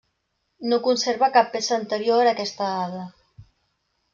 No conserva cap peça anterior a aquesta dada.